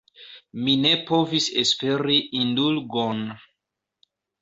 Mi ne povis esperi indulgon.